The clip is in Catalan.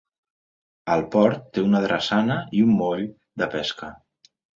El port té una drassana i un moll de pesca.